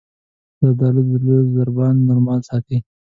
زردالو د زړه ضربان نورمال ساتي.